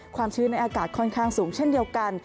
ความชื้นในอากาศค่อนข้างสูงเช่นเดียวกัน